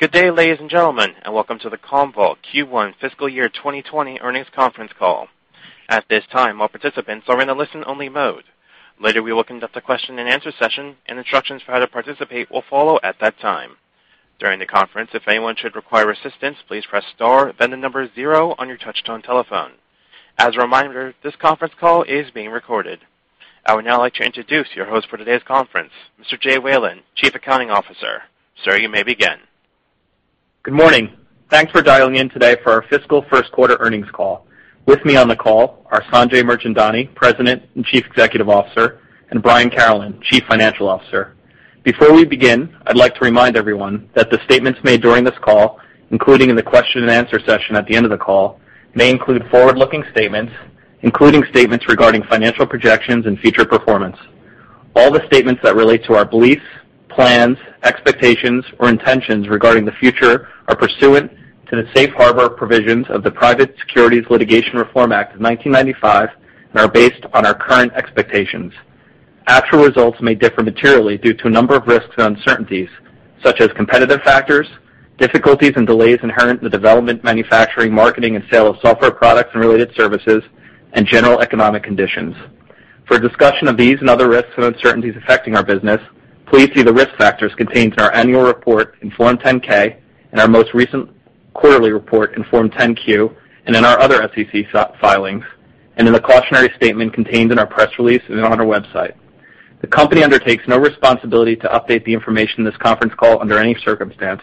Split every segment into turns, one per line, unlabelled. Good day, ladies and gentlemen, and welcome to the Commvault Q1 Fiscal Year 2020 Earnings Conference Call. At this time, all participants are in a listen-only mode. Later, we will conduct a question and answer session, and instructions for how to participate will follow at that time. During the conference, if anyone should require assistance, please press star then the number zero on your touch-tone telephone. As a reminder, this conference call is being recorded. I would now like to introduce your host for today's conference, Mr. Jay Whalen, Chief Accounting Officer. Sir, you may begin.
Good morning. Thanks for dialing in today for our fiscal first quarter earnings call. With me on the call are Sanjay Mirchandani, President and Chief Executive Officer, and Brian Carolan, Chief Financial Officer. Before we begin, I'd like to remind everyone that the statements made during this call, including in the question and answer session at the end of the call, may include forward-looking statements, including statements regarding financial projections and future performance. All the statements that relate to our beliefs, plans, expectations, or intentions regarding the future are pursuant to the safe harbor provisions of the Private Securities Litigation Reform Act of 1995 and are based on our current expectations. Actual results may differ materially due to a number of risks and uncertainties such as competitive factors, difficulties and delays inherent in the development, manufacturing, marketing, and sale of software products and related services, and general economic conditions. For a discussion of these and other risks and uncertainties affecting our business, please see the risk factors contained in our annual report in Form 10-K, in our most recent quarterly report in Form 10-Q, and in our other SEC filings, and in the cautionary statement contained in our press release and on our website. The company undertakes no responsibility to update the information in this conference call under any circumstance.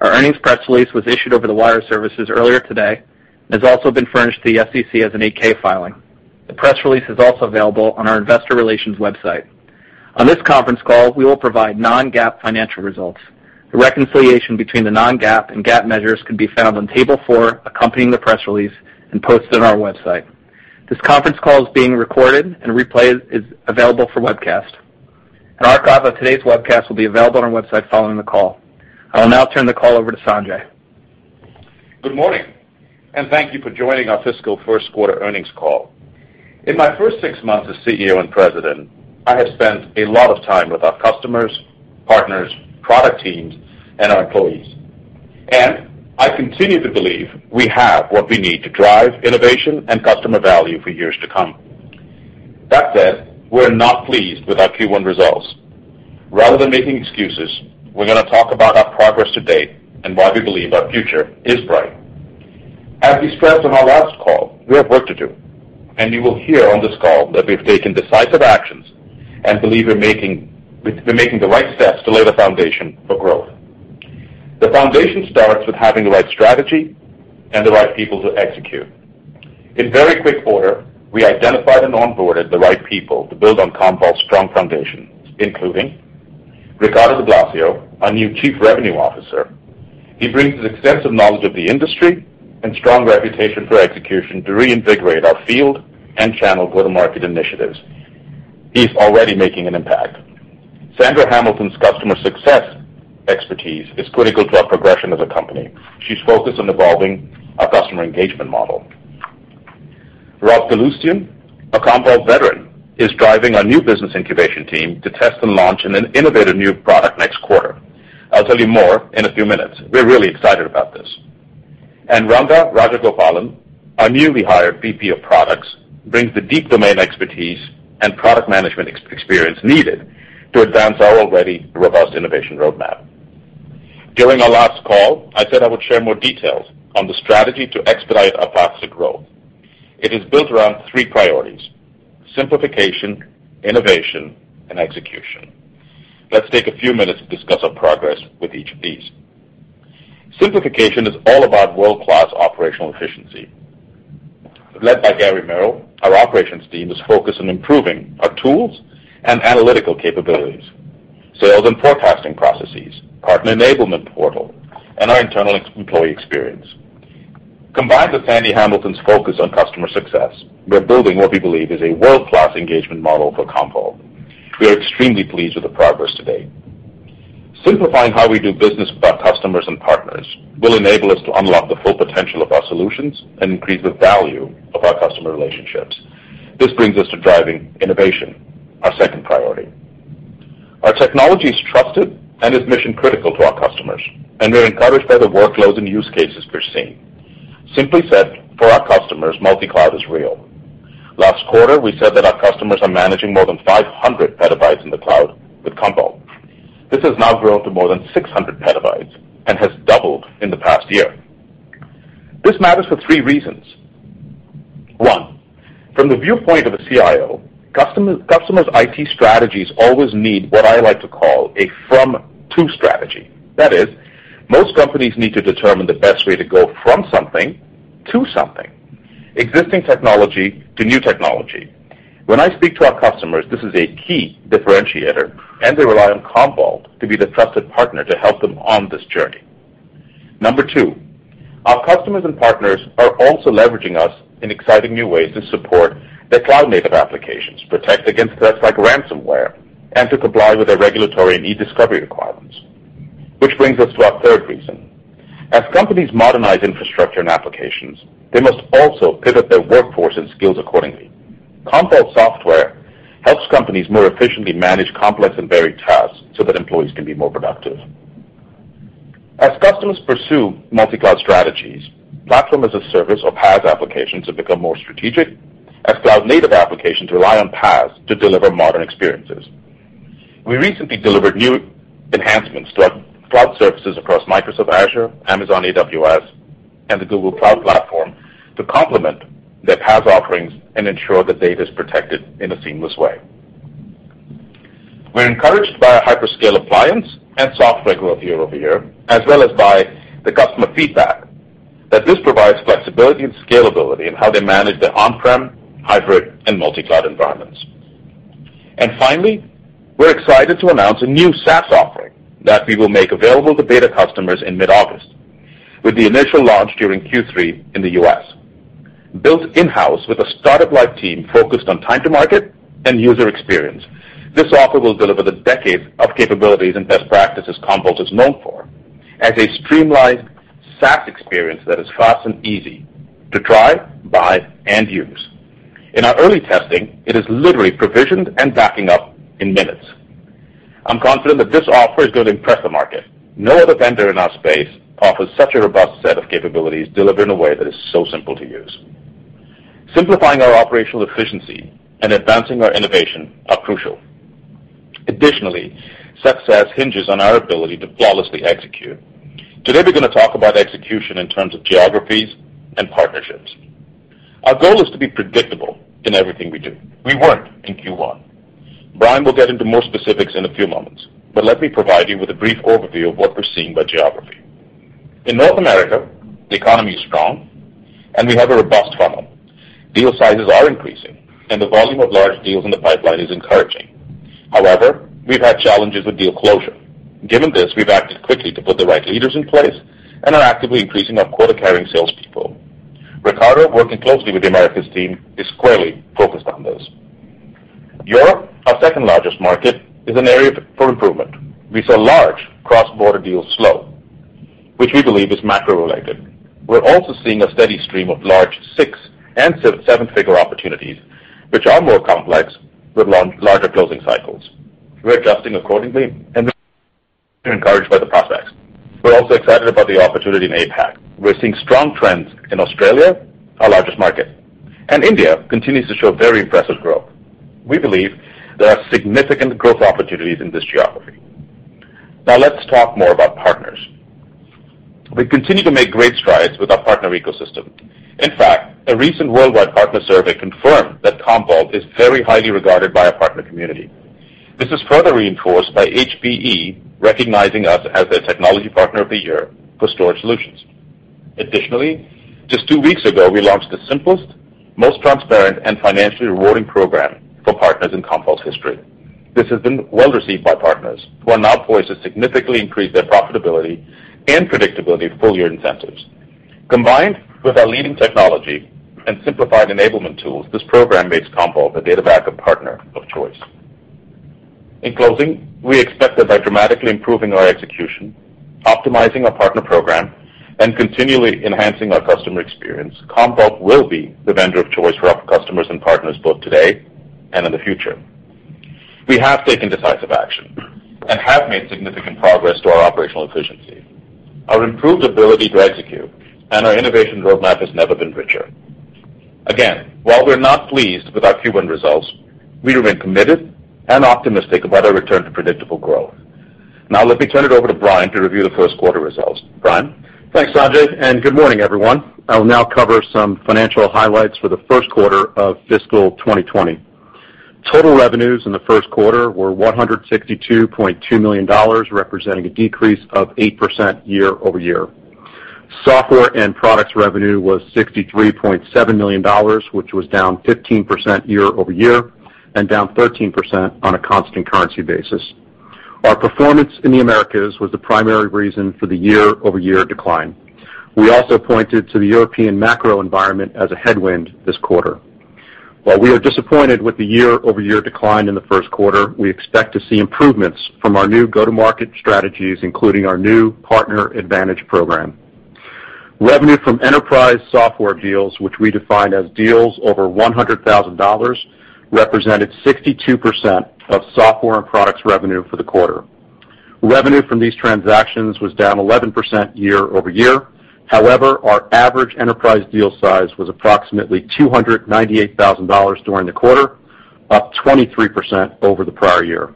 Our earnings press release was issued over the wire services earlier today and has also been furnished to the SEC as an 8-K filing. The press release is also available on our investor relations website. On this conference call, we will provide non-GAAP financial results. The reconciliation between the non-GAAP and GAAP measures can be found on Table four accompanying the press release and posted on our website. This conference call is being recorded and replayed, is available for webcast. An archive of today's webcast will be available on our website following the call. I will now turn the call over to Sanjay.
Good morning, thank you for joining our fiscal first quarter earnings call. In my first six months as CEO and President, I have spent a lot of time with our customers, partners, product teams, and our employees. I continue to believe we have what we need to drive innovation and customer value for years to come. That said, we're not pleased with our Q1 results. Rather than making excuses, we're going to talk about our progress to date and why we believe our future is bright. As we stressed on our last call, we have work to do, and you will hear on this call that we've taken decisive actions and believe we're making the right steps to lay the foundation for growth. The foundation starts with having the right strategy and the right people to execute. In very quick order, we identified and onboarded the right people to build on Commvault's strong foundation, including Riccardo Di Blasio, our new Chief Revenue Officer. He brings his extensive knowledge of the industry and strong reputation for execution to reinvigorate our field and channel go-to-market initiatives. He's already making an impact. Sandra Hamilton's customer success expertise is critical to our progression as a company. She's focused on evolving our customer engagement model. Rob Kaloustian, a Commvault veteran, is driving our new business incubation team to test and launch an innovative new product next quarter. I'll tell you more in a few minutes. We're really excited about this. Ranga Rajagopalan, our newly hired VP of Products, brings the deep domain expertise and product management experience needed to advance our already robust innovation roadmap. During our last call, I said I would share more details on the strategy to expedite our path to growth. It is built around three priorities: simplification, innovation, and execution. Let's take a few minutes to discuss our progress with each of these. Simplification is all about world-class operational efficiency. Led by Gary Merrill, our operations team is focused on improving our tools and analytical capabilities, sales and forecasting processes, Partner Advantage enablement portal, and our internal employee experience. Combined with Sandy Hamilton's focus on customer success, we are building what we believe is a world-class engagement model for Commvault. We are extremely pleased with the progress to date. Simplifying how we do business with our customers and partners will enable us to unlock the full potential of our solutions and increase the value of our customer relationships. This brings us to driving innovation, our second priority. Our technology is trusted and is mission-critical to our customers, and we're encouraged by the workloads and use cases we're seeing. Simply said, for our customers, multi-cloud is real. Last quarter, we said that our customers are managing more than 500 petabytes in the cloud with Commvault. This has now grown to more than 600 petabytes and has doubled in the past year. This matters for three reasons. One, from the viewpoint of a CIO, customer's IT strategies always need what I like to call a from-to strategy. That is, most companies need to determine the best way to go from something to something, existing technology to new technology. When I speak to our customers, this is a key differentiator, and they rely on Commvault to be the trusted partner to help them on this journey. Number two, our customers and partners are also leveraging us in exciting new ways to support their cloud-native applications, protect against threats like ransomware, and to comply with their regulatory e-discovery requirements. Which brings us to our third reason. As companies modernize infrastructure and applications, they must also pivot their workforce and skills accordingly. Commvault software helps companies more efficiently manage complex and varied tasks so that employees can be more productive. As customers pursue multi-cloud strategies, platform as a service or PaaS applications have become more strategic as cloud-native applications rely on PaaS to deliver modern experiences. We recently delivered new enhancements to our cloud services across Microsoft Azure, Amazon AWS, and the Google Cloud Platform to complement their PaaS offerings and ensure that data is protected in a seamless way. We're encouraged by our HyperScale appliance and software growth year-over-year, as well as by the customer feedback that this provides flexibility and scalability in how they manage their on-prem, hybrid, and multi-cloud environments. Finally, we're excited to announce a new SaaS offering that we will make available to beta customers in mid-August, with the initial launch during Q3 in the U.S. Built in-house with a startup-like team focused on time to market and user experience, this offer will deliver the decades of capabilities and best practices Commvault is known for as a streamlined SaaS experience that is fast and easy to try, buy, and use. In our early testing, it is literally provisioned and backing up in minutes. I'm confident that this offer is going to impress the market. No other vendor in our space offers such a robust set of capabilities delivered in a way that is so simple to use. Simplifying our operational efficiency and advancing our innovation are crucial. Additionally, success hinges on our ability to flawlessly execute. Today, we're going to talk about execution in terms of geographies and partnerships. Our goal is to be predictable in everything we do. We weren't in Q1. Brian will get into more specifics in a few moments, but let me provide you with a brief overview of what we're seeing by geography. In North America, the economy is strong, and we have a robust funnel. Deal sizes are increasing, and the volume of large deals in the pipeline is encouraging. We've had challenges with deal closure. Given this, we've acted quickly to put the right leaders in place and are actively increasing our quota-carrying salespeople. Riccardo, working closely with the Americas team, is squarely focused on this. Europe, our second-largest market, is an area for improvement. We saw large cross-border deals slow, which we believe is macro-related. We're also seeing a steady stream of large six and seven-figure opportunities, which are more complex with larger closing cycles. We're adjusting accordingly, and we're encouraged by the prospects. We're also excited about the opportunity in APAC. We're seeing strong trends in Australia, our largest market, and India continues to show very impressive growth. We believe there are significant growth opportunities in this geography. Now let's talk more about partners. We continue to make great strides with our partner ecosystem. In fact, a recent worldwide partner survey confirmed that Commvault is very highly regarded by our partner community. This is further reinforced by HPE recognizing us as their technology partner of the year for storage solutions. Additionally, just two weeks ago, we launched the simplest, most transparent, and financially rewarding program for partners in Commvault's history. This has been well-received by partners who are now poised to significantly increase their profitability and predictability of full-year incentives. Combined with our leading technology and simplified enablement tools, this program makes Commvault a data backup partner of choice. In closing, we expect that by dramatically improving our execution, optimizing our partner program, and continually enhancing our customer experience, Commvault will be the vendor of choice for our customers and partners, both today and in the future. We have taken decisive action and have made significant progress to our operational efficiency. Our improved ability to execute and our innovation roadmap has never been richer. Again, while we're not pleased with our Q1 results, we remain committed and optimistic about our return to predictable growth. Let me turn it over to Brian to review the first quarter results. Brian?
Thanks, Sanjay, and good morning, everyone. I will now cover some financial highlights for the first quarter of FY 2020. Total revenues in the first quarter were $162.2 million, representing a decrease of 8% year-over-year. Software and products revenue was $63.7 million, which was down 15% year-over-year and down 13% on a constant currency basis. Our performance in the Americas was the primary reason for the year-over-year decline. We also pointed to the European macro environment as a headwind this quarter. While we are disappointed with the year-over-year decline in the first quarter, we expect to see improvements from our new go-to-market strategies, including our new Partner Advantage program. Revenue from enterprise software deals, which we define as deals over $100,000, represented 62% of software and products revenue for the quarter. Revenue from these transactions was down 11% year-over-year. However, our average enterprise deal size was approximately $298,000 during the quarter, up 23% over the prior year.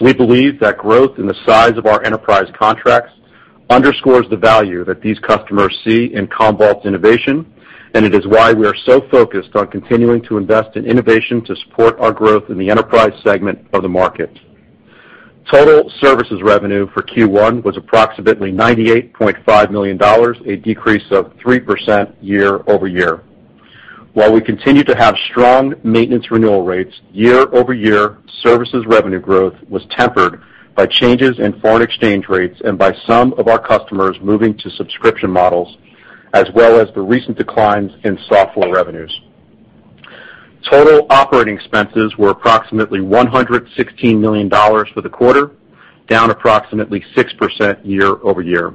We believe that growth in the size of our enterprise contracts underscores the value that these customers see in Commvault's innovation, and it is why we are so focused on continuing to invest in innovation to support our growth in the enterprise segment of the market. Total services revenue for Q1 was approximately $98.5 million, a decrease of 3% year-over-year. While we continue to have strong maintenance renewal rates, year-over-year services revenue growth was tempered by changes in foreign exchange rates and by some of our customers moving to subscription models, as well as the recent declines in software revenues. Total operating expenses were approximately $116 million for the quarter, down approximately 6% year-over-year.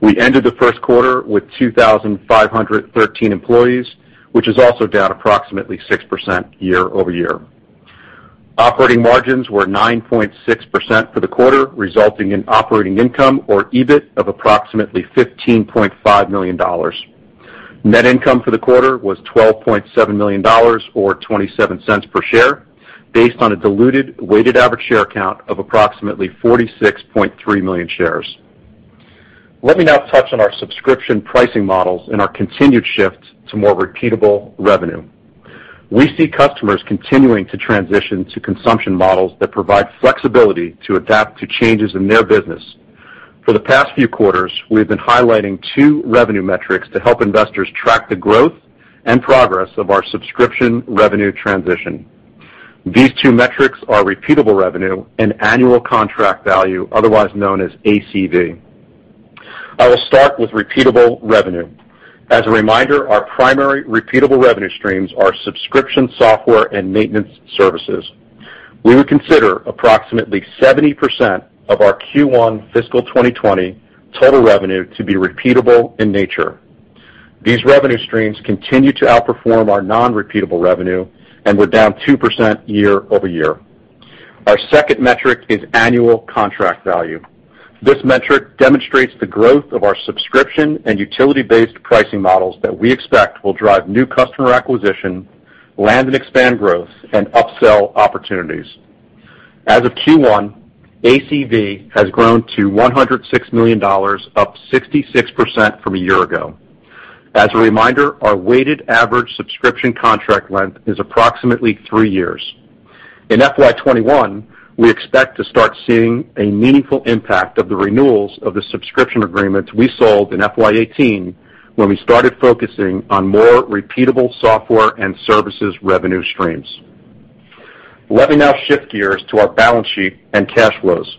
We ended the first quarter with 2,513 employees, which is also down approximately 6% year-over-year. Operating margins were 9.6% for the quarter, resulting in operating income or EBIT of approximately $15.5 million. Net income for the quarter was $12.7 million or $0.27 per share based on a diluted weighted average share count of approximately 46.3 million shares. Let me now touch on our subscription pricing models and our continued shift to more repeatable revenue. We see customers continuing to transition to consumption models that provide flexibility to adapt to changes in their business. For the past few quarters, we have been highlighting two revenue metrics to help investors track the growth and progress of our subscription revenue transition. These two metrics are repeatable revenue and annual contract value, otherwise known as ACV. I will start with repeatable revenue. As a reminder, our primary repeatable revenue streams are subscription software and maintenance services. We would consider approximately 70% of our Q1 fiscal 2020 total revenue to be repeatable in nature. These revenue streams continue to outperform our non-repeatable revenue and were down 2% year-over-year. Our second metric is annual contract value. This metric demonstrates the growth of our subscription and utility-based pricing models that we expect will drive new customer acquisition, land and expand growth, and upsell opportunities. As of Q1, ACV has grown to $106 million, up 66% from a year ago. As a reminder, our weighted average subscription contract length is approximately three years. In FY 2021, we expect to start seeing a meaningful impact of the renewals of the subscription agreements we sold in FY 2018, when we started focusing on more repeatable software and services revenue streams. Let me now shift gears to our balance sheet and cash flows.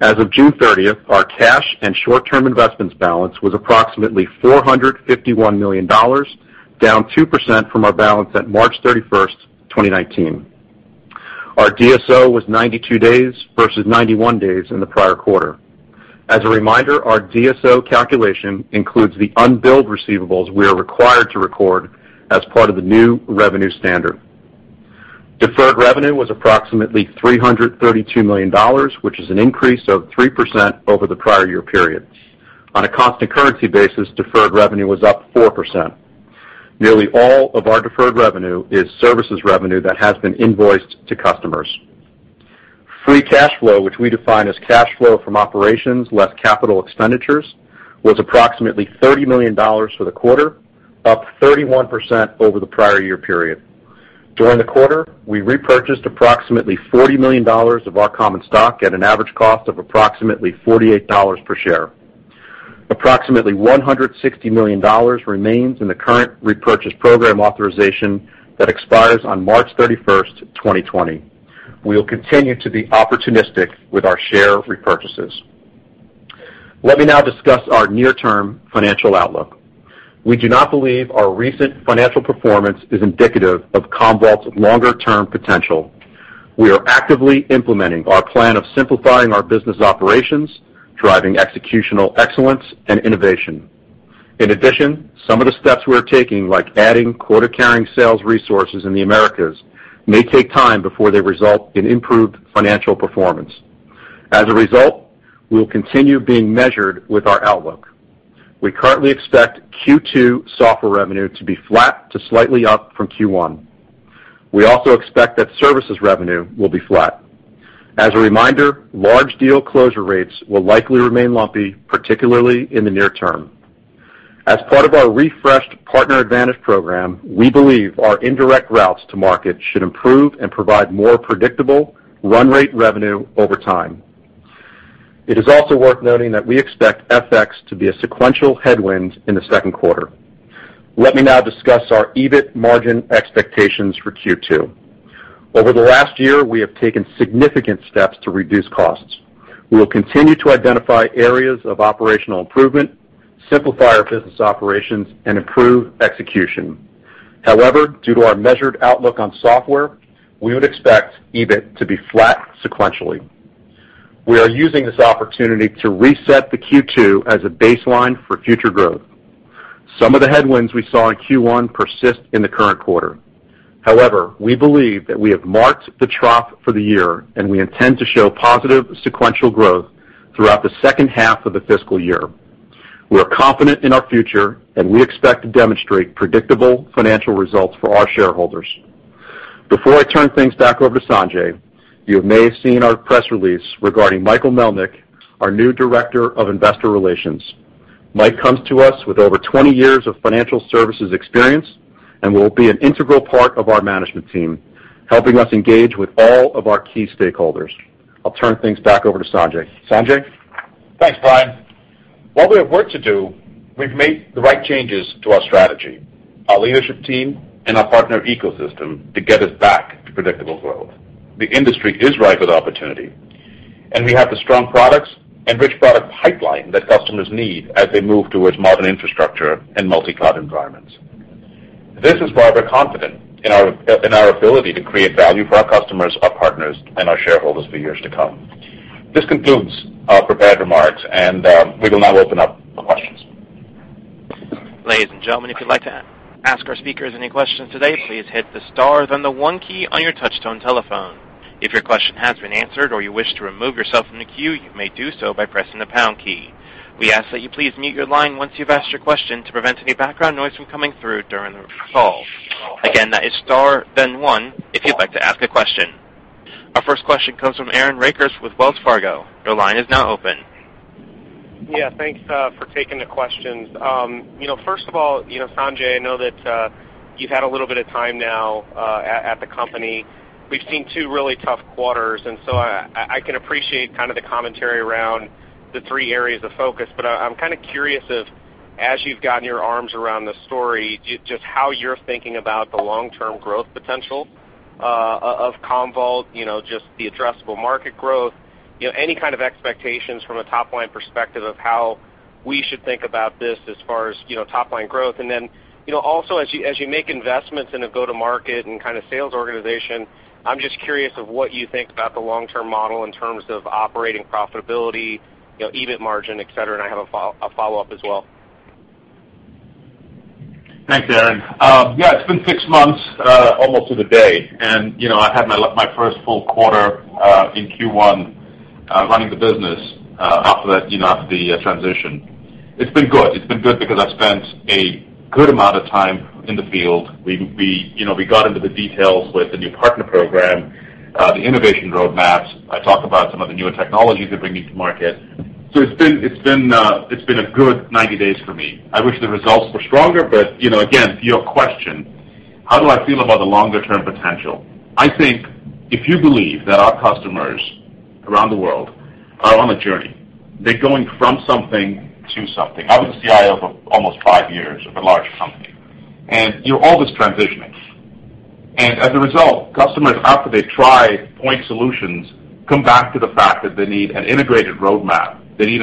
As of June 30th, our cash and short-term investments balance was approximately $451 million, down 2% from our balance at March 31st, 2019. Our DSO was 92 days versus 91 days in the prior quarter. As a reminder, our DSO calculation includes the unbilled receivables we are required to record as part of the new revenue standard. Deferred revenue was approximately $332 million, which is an increase of 3% over the prior year period. On a constant currency basis, deferred revenue was up 4%. Nearly all of our deferred revenue is services revenue that has been invoiced to customers. Free cash flow, which we define as cash flow from operations less capital expenditures, was approximately $30 million for the quarter, up 31% over the prior year period. During the quarter, we repurchased approximately $40 million of our common stock at an average cost of approximately $48 per share. Approximately $160 million remains in the current repurchase program authorization that expires on March 31st, 2020. We will continue to be opportunistic with our share repurchases. Let me now discuss our near-term financial outlook. We do not believe our recent financial performance is indicative of Commvault's longer-term potential. We are actively implementing our plan of simplifying our business operations, driving executional excellence, and innovation. In addition, some of the steps we are taking, like adding quota-carrying sales resources in the Americas, may take time before they result in improved financial performance. As a result, we will continue being measured with our outlook. We currently expect Q2 software revenue to be flat to slightly up from Q1. We also expect that services revenue will be flat. As a reminder, large deal closure rates will likely remain lumpy, particularly in the near term. As part of our refreshed Partner Advantage program, we believe our indirect routes to market should improve and provide more predictable run rate revenue over time. It is also worth noting that we expect FX to be a sequential headwind in the second quarter. Let me now discuss our EBIT margin expectations for Q2. Over the last year, we have taken significant steps to reduce costs. We will continue to identify areas of operational improvement, simplify our business operations, and improve execution. However, due to our measured outlook on software, we would expect EBIT to be flat sequentially. We are using this opportunity to reset the Q2 as a baseline for future growth. Some of the headwinds we saw in Q1 persist in the current quarter. However, we believe that we have marked the trough for the year, and we intend to show positive sequential growth throughout the second half of the fiscal year. We are confident in our future, and we expect to demonstrate predictable financial results for our shareholders. Before I turn things back over to Sanjay, you may have seen our press release regarding Michael Melnyk, our new Director of Investor Relations. Mike comes to us with over 20 years of financial services experience and will be an integral part of our management team, helping us engage with all of our key stakeholders. I'll turn things back over to Sanjay. Sanjay?
Thanks, Brian. While we have work to do, we've made the right changes to our strategy, our leadership team, and our partner ecosystem to get us back to predictable growth. The industry is ripe with opportunity. We have the strong products and rich product pipeline that customers need as they move towards modern infrastructure and multi-cloud environments. This is why we're confident in our ability to create value for our customers, our partners, and our shareholders for years to come. This concludes our prepared remarks, and we will now open up for questions.
Ladies and gentlemen, if you'd like to ask our speakers any questions today, please hit the star, then the 1 key on your touchtone telephone. If your question has been answered or you wish to remove yourself from the queue, you may do so by pressing the pound key. We ask that you please mute your line once you've asked your question to prevent any background noise from coming through during the call. Again, that is star, then one if you'd like to ask a question. Our first question comes from Aaron Rakers with Wells Fargo. Your line is now open.
Yeah. Thanks for taking the questions. First of all, Sanjay, I know that you've had a little bit of time now at the company. We've seen two really tough quarters, and so I can appreciate the commentary around the three areas of focus. I'm curious if, as you've gotten your arms around the story, just how you're thinking about the long-term growth potential of Commvault, just the addressable market growth. Any kind of expectations from a top-line perspective of how we should think about this as far as top-line growth. Also as you make investments in a go-to-market and sales organization, I'm just curious of what you think about the long-term model in terms of operating profitability, EBIT margin, et cetera, and I have a follow-up as well.
Thanks, Aaron. It's been six months, almost to the day, and I had my first full quarter in Q1 running the business after the transition. It's been good. It's been good because I spent a good amount of time in the field. We got into the details with the new partner program, the innovation roadmaps. I talked about some of the newer technologies we're bringing to market. It's been a good 90 days for me. I wish the results were stronger, again, to your question, how do I feel about the longer-term potential? I think if you believe that our customers around the world are on a journey, they're going from something to something. I was a CIO for almost five years of a large company, and you're always transitioning. As a result, customers, after they try point solutions, come back to the fact that they need an integrated roadmap. They need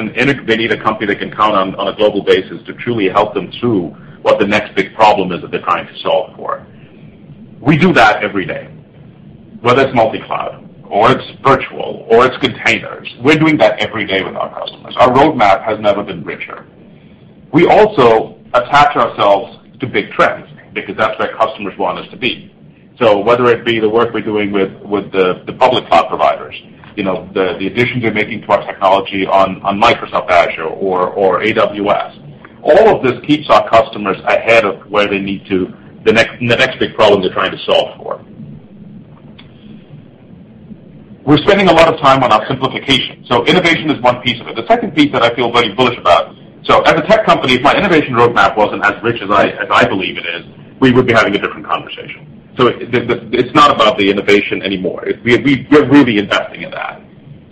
a company they can count on a global basis to truly help them through what the next big problem is that they're trying to solve for. We do that every day, whether it's multi-cloud or it's virtual or it's containers. We're doing that every day with our customers. Our roadmap has never been richer. We also attach ourselves to big trends because that's where customers want us to be. Whether it be the work we're doing with the public cloud providers, the additions we're making to our technology on Microsoft Azure or AWS. All of this keeps our customers ahead of where they need to, the next big problem they're trying to solve for. We're spending a lot of time on our simplification. Innovation is one piece of it. The second piece that I feel very bullish about. As a tech company, if my innovation roadmap wasn't as rich as I believe it is, we would be having a different conversation. It's not about the innovation anymore. We're really investing in that.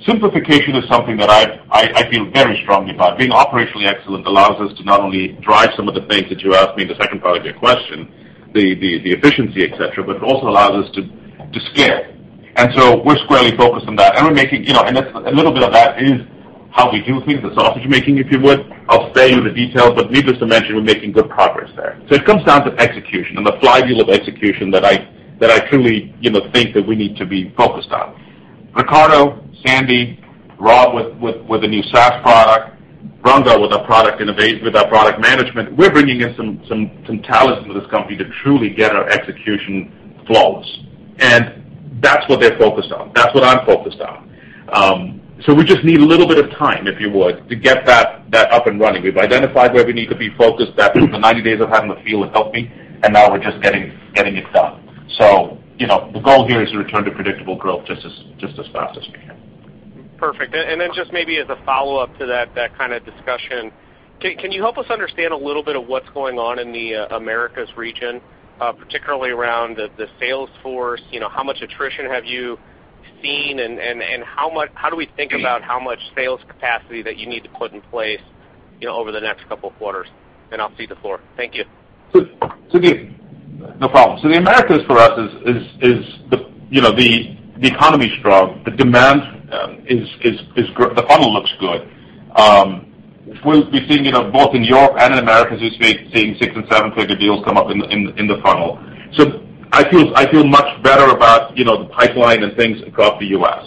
Simplification is something that I feel very strongly about. Being operationally excellent allows us to not only drive some of the things that you asked me in the second part of your question, the efficiency, et cetera, but it also allows us to scale. We're squarely focused on that. A little bit of that is how we do things, the sausage-making, if you would. I'll spare you the details, but needless to mention, we're making good progress there. It comes down to execution and the flywheel of execution that I truly think that we need to be focused on. Riccardo, Sandy, Rob with the new SaaS product, Ranga with our product management. We're bringing in some talent into this company to truly get our execution flawless, and that's what they're focused on. That's what I'm focused on. We just need a little bit of time, if you would, to get that up and running. We've identified where we need to be focused. The 90 days of having the field has helped me, and now we're just getting it done. The goal here is to return to predictable growth just as fast as we can.
Perfect. Then just maybe as a follow-up to that kind of discussion, can you help us understand a little bit of what's going on in the Americas region, particularly around the sales force? How much attrition have you seen, and how do we think about how much sales capacity that you need to put in place over the next couple of quarters? Then I'll cede the floor. Thank you.
No problem. The Americas for us is the economy's strong, the demand is good. The funnel looks good. We're seeing both in Europe and in Americas, we're seeing six and seven-figure deals come up in the funnel. I feel much better about the pipeline and things across the U.S.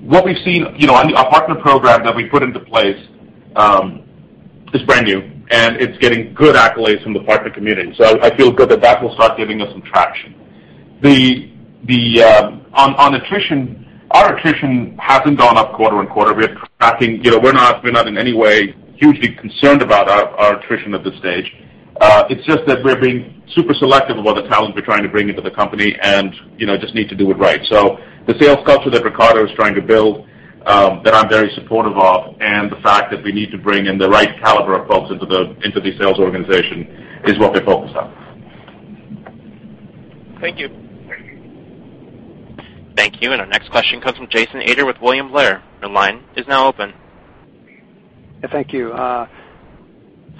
What we've seen, our partner program that we put into place is brand new, and it's getting good accolades from the partner community. I feel good that that will start giving us some traction. On attrition, our attrition hasn't gone up quarter-on-quarter. We're tracking. We're not in any way hugely concerned about our attrition at this stage. It's just that we're being super selective about the talent we're trying to bring into the company, and just need to do it right. The sales culture that Riccardo is trying to build, that I'm very supportive of, and the fact that we need to bring in the right caliber of folks into the sales organization is what we're focused on.
Thank you.
Thank you. Our next question comes from Jason Ader with William Blair. Your line is now open.
Thank you.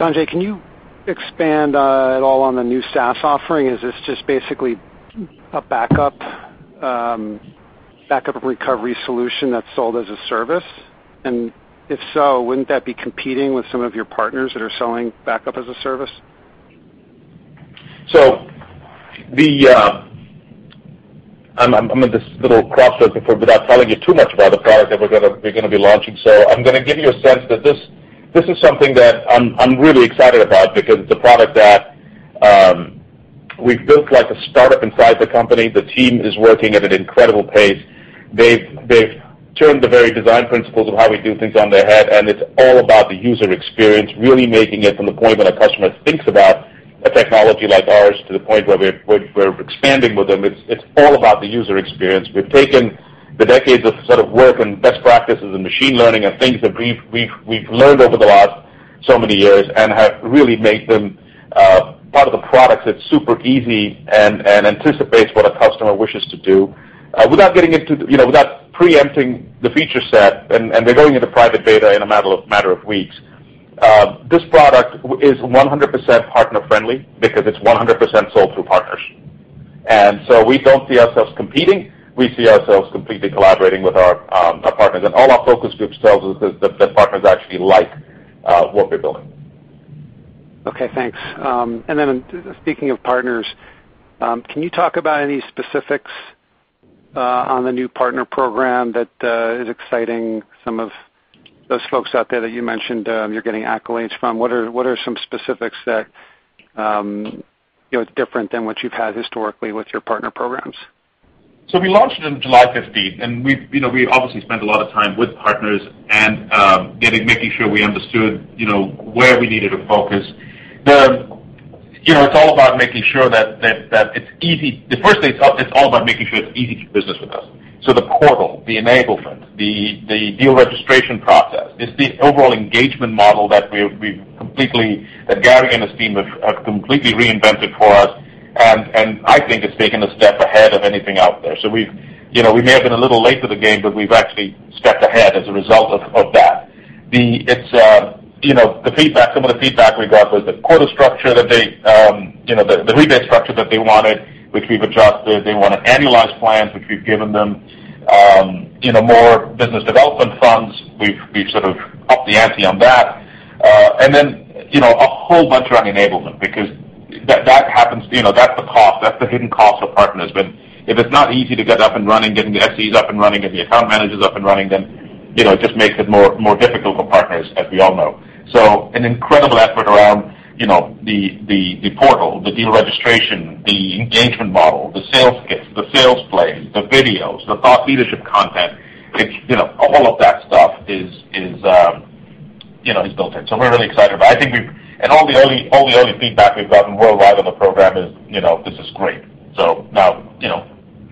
Sanjay, can you expand at all on the new SaaS offering? Is this just basically a backup and recovery solution that's sold as a service? If so, wouldn't that be competing with some of your partners that are selling backup as a service?
I'm in this little crossroad before, without telling you too much about the product that we're going to be launching. I'm going to give you a sense that this is something that I'm really excited about because it's a product that we've built like a startup inside the company. The team is working at an incredible pace. They've turned the very design principles of how we do things on their head, and it's all about the user experience, really making it from the point when a customer thinks about a technology like ours to the point where we're expanding with them. It's all about the user experience. We've taken the decades of work and best practices and machine learning and things that we've learned over the last so many years and have really made them part of the product that's super easy and anticipates what a customer wishes to do. Without preempting the feature set, and they're going into private beta in a matter of weeks, this product is 100% partner friendly because it's 100% sold through partners. We don't see ourselves competing. We see ourselves completely collaborating with our partners. All our focus groups tells us that the partners actually like what we're building.
Okay, thanks. Speaking of partners, can you talk about any specifics on the new partner program that is exciting some of those folks out there that you mentioned you're getting accolades from? What are some specifics that is different than what you've had historically with your partner programs?
We launched on July 15th, and we obviously spent a lot of time with partners and making sure we understood where we needed to focus. It's all about making sure that it's easy. The first thing, it's all about making sure it's easy to do business with us. The portal, the enablement, the deal registration process, it's the overall engagement model that Gary and his team have completely reinvented for us, and I think it's taken a step ahead of anything out there. We may have been a little late to the game, but we've actually stepped ahead as a result of that. Some of the feedback we got was the rebate structure that they wanted, which we've adjusted. They want an annualized plan, which we've given them. More business development funds, we've sort of upped the ante on that. A whole bunch around enablement, because that's the cost, that's the hidden cost for partners. If it's not easy to get up and running, getting the SEs up and running, and the account managers up and running, then it just makes it more difficult for partners, as we all know. An incredible effort around the portal, the deal registration, the engagement model, the sales kit, the sales play, the videos, the thought leadership content, all of that stuff is built in. We're really excited about it. All the early feedback we've gotten worldwide on the program is, "This is great." Now,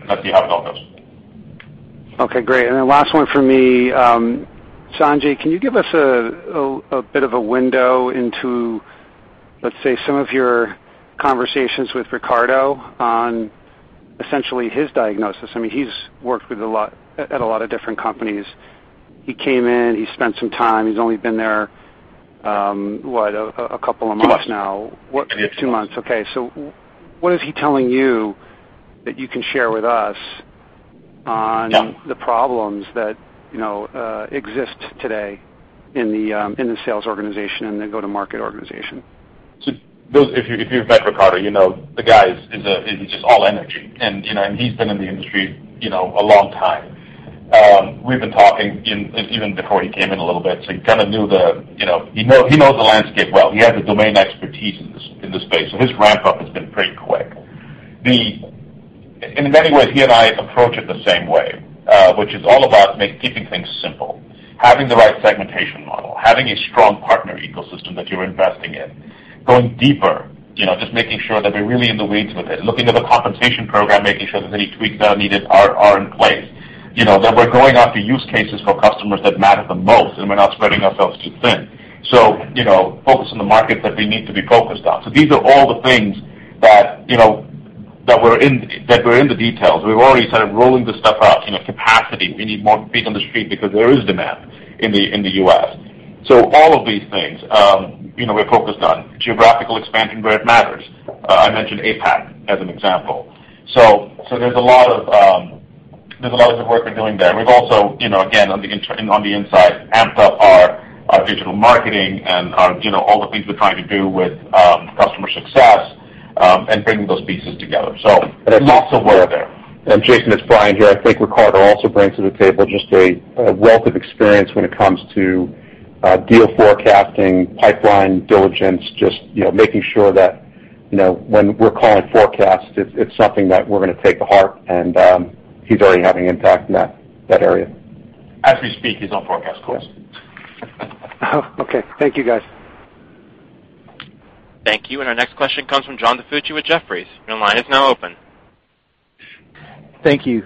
let's see how it all goes.
Okay, great. Then last one from me. Sanjay, can you give us a bit of a window into, let's say, some of your conversations with Riccardo on essentially his diagnosis? He's worked at a lot of different companies. He came in, he spent some time. He's only been there, what, a couple of months now?
Two months.
Two months. Okay. What is he telling you that you can share with us on-?
Yeah
The problems that exist today in the sales organization and the go-to-market organization?
If you've met Riccardo, you know the guy is just all energy. He's been in the industry a long time. We've been talking even before he came in a little bit, so he knows the landscape well. He has the domain expertise in this space, so his ramp-up has been pretty quick. In many ways, he and I approach it the same way, which is all about keeping things simple, having the right segmentation model, having a strong Partner Advantage ecosystem that you're investing in, going deeper, just making sure that we're really in the weeds with it, looking at the compensation program, making sure that any tweaks that are needed are in place. That we're going after use cases for customers that matter the most, and we're not spreading ourselves too thin. Focus on the market that we need to be focused on. These are all the things that were in the details. We were already sort of rolling this stuff out. Capacity. We need more feet on the street because there is demand in the U.S. All of these things we're focused on. Geographical expansion where it matters. I mentioned APAC as an example. There's a lot of good work we're doing there. We've also, again, on the inside, amped up our digital marketing and all the things we're trying to do with customer success and bringing those pieces together. Lots of work there.
Jason, it's Brian here. I think Riccardo also brings to the table just a wealth of experience when it comes to deal forecasting, pipeline diligence, just making sure that when we're calling forecasts, it's something that we're going to take to heart, and he's already having impact in that area.
As we speak, he's on forecast calls.
Okay. Thank you, guys.
Thank you. Our next question comes from John DiFucci with Jefferies. Your line is now open.
Thank you.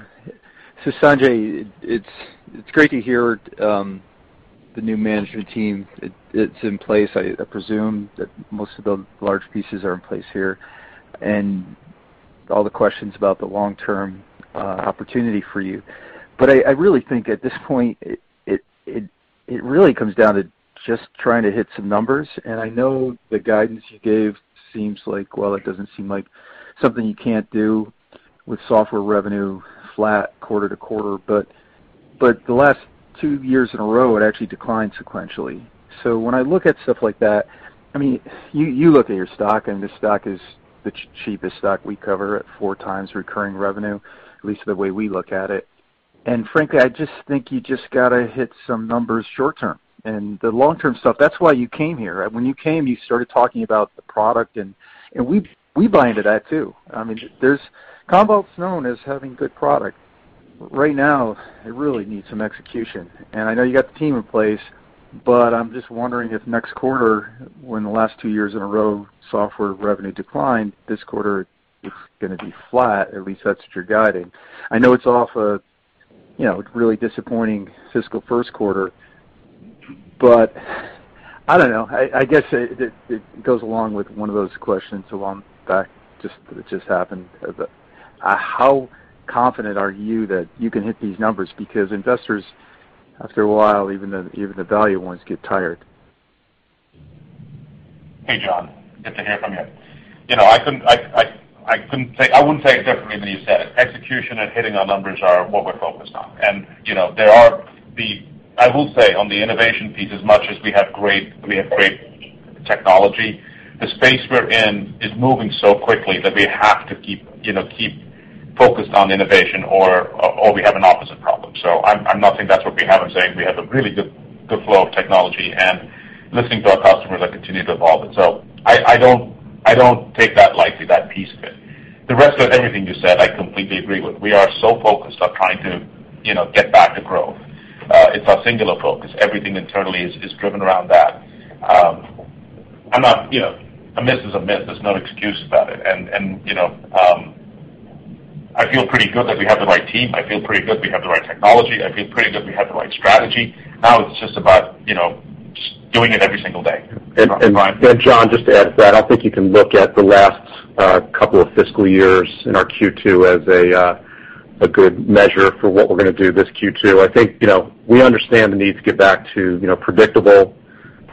Sanjay, it's great to hear the new management team. It's in place. All the questions about the long-term opportunity for you. I really think at this point, it really comes down to just trying to hit some numbers. I know the guidance you gave seems like, well, it doesn't seem like something you can't do with software revenue flat quarter to quarter. The last two years in a row, it actually declined sequentially. When I look at stuff like that, you look at your stock, and this stock is the cheapest stock we cover at 4x recurring revenue, at least the way we look at it. Frankly, I just think you just got to hit some numbers short term. The long-term stuff, that's why you came here. When you came, you started talking about the product, and we buy into that too. Commvault's known as having good product. Right now, it really needs some execution. I know you got the team in place, but I'm just wondering if next quarter, when the last two years in a row, software revenue declined, this quarter it's going to be flat. At least that's what you're guiding. I know it's off a really disappointing fiscal first quarter, but I don't know. I guess it goes along with one of those questions along that just happened. How confident are you that you can hit these numbers? Investors, after a while, even the value ones, get tired.
Hey, John. Good to hear from you. I wouldn't say it differently than you said it. Execution and hitting our numbers are what we're focused on. I will say, on the innovation piece, as much as we have great technology, the space we're in is moving so quickly that we have to keep focused on innovation, or we have an opposite problem. I'm not saying that's what we have. I'm saying we have a really good flow of technology and listening to our customers and continue to evolve it. I don't take that lightly, that piece of it. The rest of everything you said, I completely agree with. We are so focused on trying to get back to growth. It's our singular focus. Everything internally is driven around that. A miss is a miss. There's no excuse about it. I feel pretty good that we have the right team. I feel pretty good we have the right technology. I feel pretty good we have the right strategy. Now it's just about doing it every single day. Brian?
John, just to add to that, I think you can look at the last couple of fiscal years in our Q2 as a good measure for what we're going to do this Q2. I think we understand the need to get back to predictable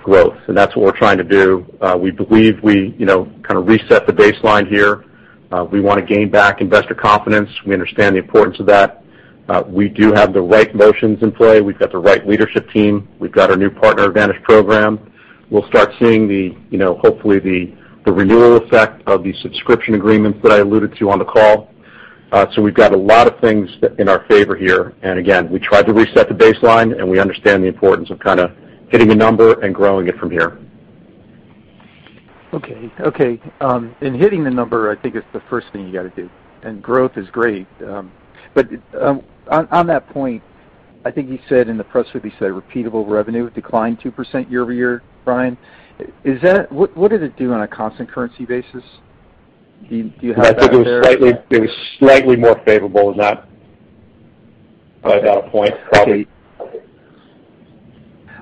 growth, and that's what we're trying to do. We believe we kind of reset the baseline here. We want to gain back investor confidence. We understand the importance of that. We do have the right motions in play. We've got the right leadership team. We've got our new Partner Advantage program. We'll start seeing, hopefully, the renewal effect of the subscription agreements that I alluded to on the call. We've got a lot of things in our favor here. Again, we tried to reset the baseline, and we understand the importance of kind of hitting a number and growing it from here.
Okay. In hitting the number, I think it's the first thing you got to do, and growth is great. On that point, I think you said in the press release, you said repeatable revenue declined 2% year-over-year, Brian. What did it do on a constant currency basis? Do you have that there?
I think it was slightly more favorable than that by about a point, probably.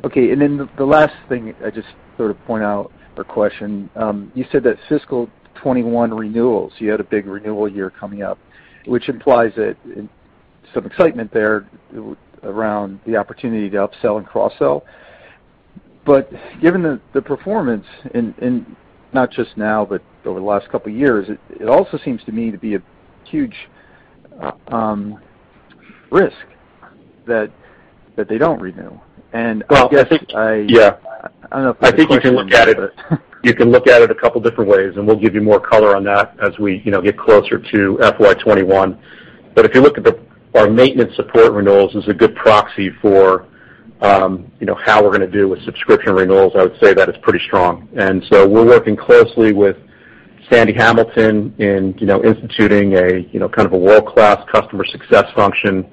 Okay. The last thing I just sort of point out or question, you said that fiscal 2021 renewals, you had a big renewal year coming up, which implies some excitement there around the opportunity to upsell and cross-sell. Given the performance, and not just now, but over the last couple of years, it also seems to me to be a huge risk that they don't renew.
Well, I think-
I don't know if that's...
I think you can look at it a couple different ways, and we'll give you more color on that as we get closer to FY 2021. If you look at our maintenance support renewals is a good proxy for how we're going to do with subscription renewals. I would say that it's pretty strong. We're working closely with Sandra Hamilton in instituting a kind of a world-class customer success function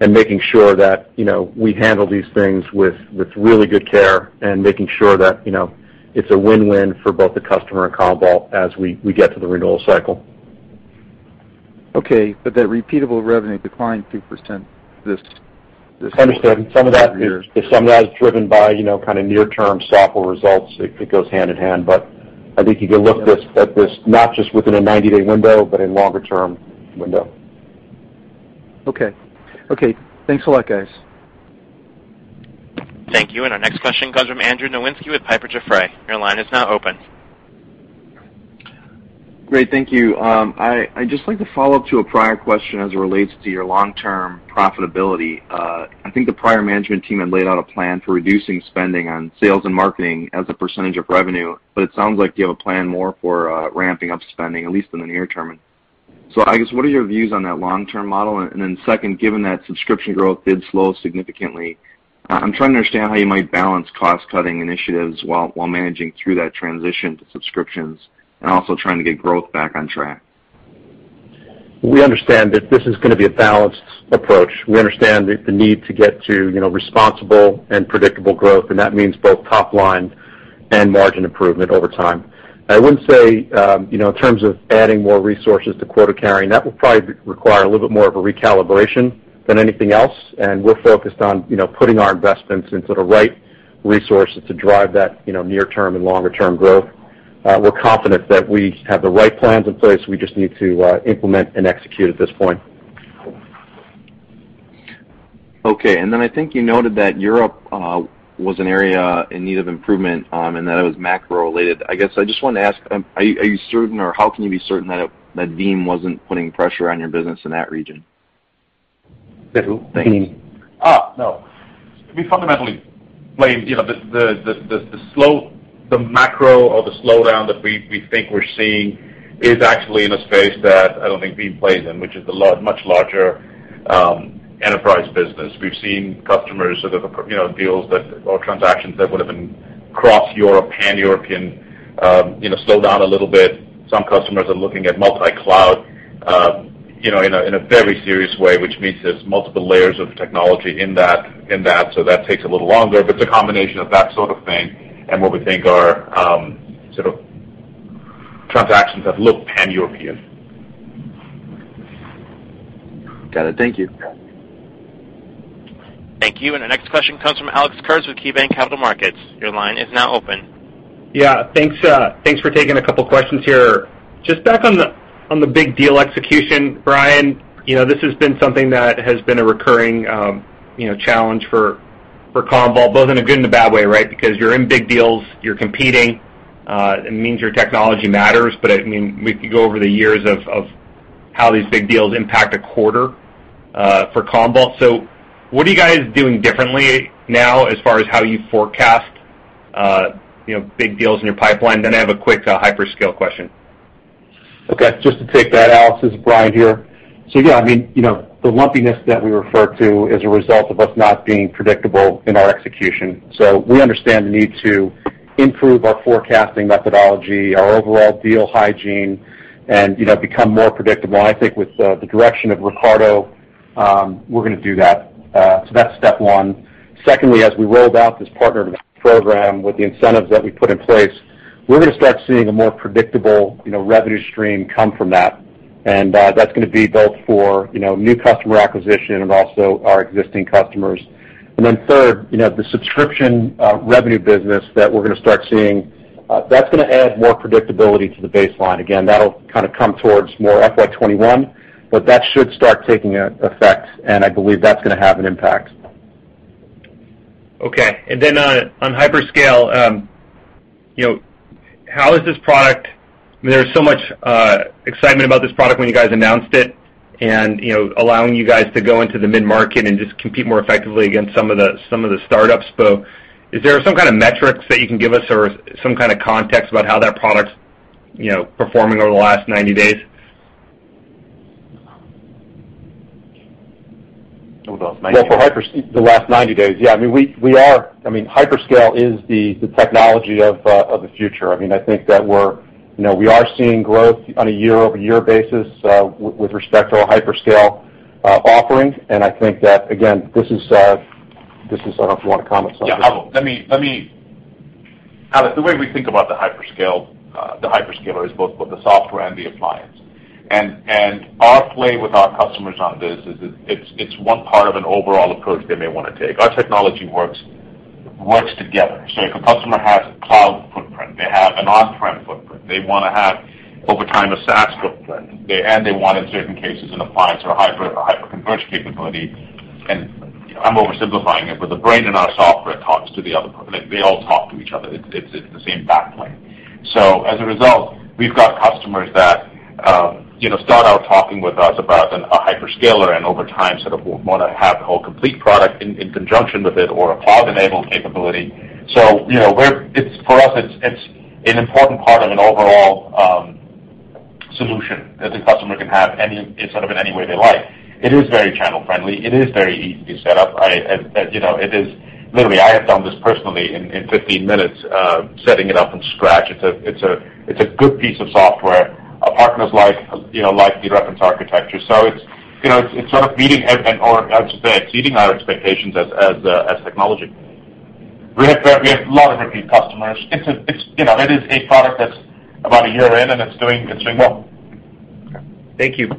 and making sure that we handle these things with really good care and making sure that it's a win-win for both the customer and Commvault as we get to the renewal cycle.
Okay. That repeatable revenue declined 2%.
I understand. Some of that is driven by kind of near-term software results. It goes hand-in-hand. I think you can look at this not just within a 90-day window, but in longer-term window.
Okay. Thanks a lot, guys.
Thank you. Our next question comes from Andrew Nowinski with Piper Jaffray. Your line is now open.
Great. Thank you. I'd just like to follow up to a prior question as it relates to your long-term profitability. I think the prior management team had laid out a plan for reducing spending on sales and marketing as a percentage of revenue, but it sounds like you have a plan more for ramping up spending, at least in the near term. I guess, what are your views on that long-term model? Second, given that subscription growth did slow significantly, I'm trying to understand how you might balance cost-cutting initiatives while managing through that transition to subscriptions and also trying to get growth back on track.
We understand that this is going to be a balanced approach. We understand the need to get to responsible and predictable growth, and that means both top line and margin improvement over time. I wouldn't say in terms of adding more resources to quota carrying, that will probably require a little bit more of a recalibration than anything else, and we're focused on putting our investments into the right resources to drive that near-term and longer-term growth. We're confident that we have the right plans in place. We just need to implement and execute at this point.
Okay. I think you noted that Europe was an area in need of improvement, and that it was macro related. I guess I just wanted to ask, are you certain or how can you be certain that Veeam wasn't putting pressure on your business in that region?
Veeam.
Veeam.
No. We fundamentally blame the macro or the slowdown that we think we're seeing is actually in a space that I don't think Veeam plays in, which is a much larger enterprise business. We've seen customers sort of deals that, or transactions that would've been cross-Europe, Pan-European, slow down a little bit. Some customers are looking at multi-cloud in a very serious way, which means there's multiple layers of technology in that. That takes a little longer, but it's a combination of that sort of thing and what we think are sort of transactions that look Pan-European.
Got it. Thank you.
Thank you. Our next question comes from Alex Kurtz with KeyBanc Capital Markets. Your line is now open.
Thanks for taking a couple questions here. Back on the big deal execution, Brian, this has been something that has been a recurring challenge for Commvault, both in a good and a bad way, right? You're in big deals, you're competing. It means your technology matters. We could go over the years of how these big deals impact a quarter for Commvault. What are you guys doing differently now as far as how you forecast big deals in your pipeline? I have a quick HyperScale question.
Okay. Just to take that, Alex. This is Brian here. Yeah, the lumpiness that we refer to is a result of us not being predictable in our execution. We understand the need to improve our forecasting methodology, our overall deal hygiene, and become more predictable. I think with the direction of Riccardo, we're going to do that. That's step one. Secondly, as we roll out this partner program with the incentives that we put in place, we're going to start seeing a more predictable revenue stream come from that. That's going to be both for new customer acquisition and also our existing customers. Third, the subscription revenue business that we're going to start seeing, that's going to add more predictability to the baseline. That'll kind of come towards more FY 2021, but that should start taking effect, and I believe that's going to have an impact.
Okay. On HyperScale, there was so much excitement about this product when you guys announced it, and allowing you guys to go into the mid-market and just compete more effectively against some of the startups. Is there some kind of metrics that you can give us or some kind of context about how that product's performing over the last 90 days?
What about 90 days?
Well, for HyperScale, the last 90 days. Yeah, HyperScale is the technology of the future. I think that we are seeing growth on a year-over-year basis with respect to our HyperScale offering, and I think that, again, I don't know if you want to comment on something.
Yeah, I will. Alex, the way we think about the HyperScale is both the software and the appliance. Our play with our customers on this is it's one part of an overall approach they may want to take. Our technology works together. If a customer has a cloud footprint, they have an on-prem footprint, they want to have, over time, a SaaS footprint, and they want, in certain cases, an appliance or a hyper-converged capability. I'm oversimplifying it, but the brain in our software talks to the other. They all talk to each other. It's the same back plane. As a result, we've got customers that start out talking with us about a HyperScale and over time, sort of want to have the whole complete product in conjunction with it or a cloud-enabled capability. For us, it's an important part of an overall solution that the customer can have in sort of in any way they like. It is very channel friendly. It is very easy to set up. Literally, I have done this personally in 15 minutes, setting it up from scratch. It's a good piece of software. Our partners like the reference architecture. It's sort of meeting or I would say exceeding our expectations as technology. We have a lot of repeat customers. It is a product that's about a year in, and it's doing well.
Okay. Thank you.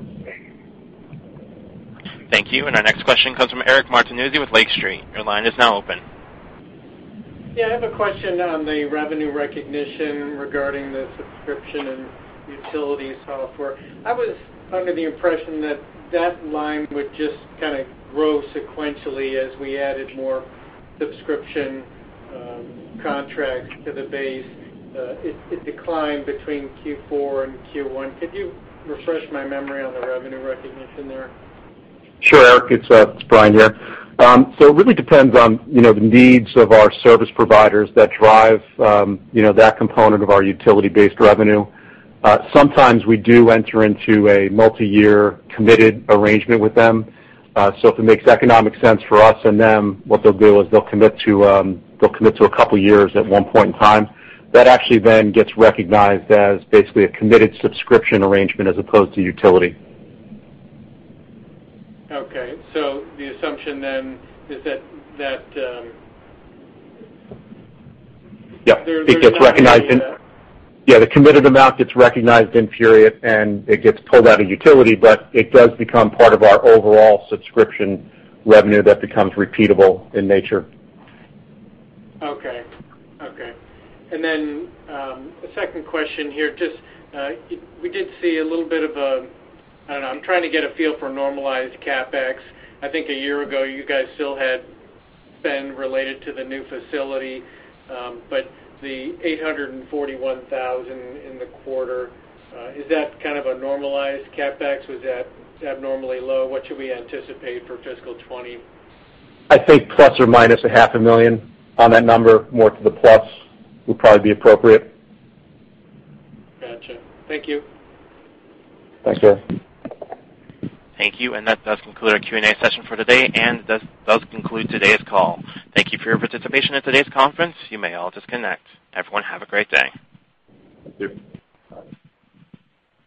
Thank you. Our next question comes from Eric Martinuzzi with Lake Street Capital Markets. Your line is now open.
Yeah, I have a question on the revenue recognition regarding the subscription and utility software. I was under the impression that that line would just kind of grow sequentially as we added more subscription contracts to the base. It declined between Q4 and Q1. Could you refresh my memory on the revenue recognition there?
Sure, Eric, it's Brian here. It really depends on the needs of our service providers that drive that component of our utility-based revenue. Sometimes we do enter into a multi-year committed arrangement with them. If it makes economic sense for us and them, what they'll do is they'll commit to a couple years at one point in time. That actually gets recognized as basically a committed subscription arrangement as opposed to utility.
Okay. the assumption then is that.
Yeah. It gets recognized in.
There's nothing in the...
The committed amount gets recognized in period, and it gets pulled out of utility, but it does become part of our overall subscription revenue that becomes repeatable in nature.
Okay. The second question here, just we did see a little bit of I don't know, I'm trying to get a feel for normalized CapEx. I think a year ago, you guys still had spend related to the new facility. The $841,000 in the quarter, is that kind of a normalized CapEx? Was that abnormally low? What should we anticipate for fiscal 2020?
I'd say ±$500,000 on that number. More to the plus would probably be appropriate.
Got you. Thank you.
Thanks, Eric. Thank you. That does conclude our Q&A session for today and does conclude today's call. Thank you for your participation in today's conference. You may all disconnect. Everyone have a great day.
Thank you.